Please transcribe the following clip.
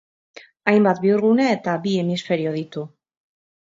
Hainbat bihurgune eta bi hemisferio ditu.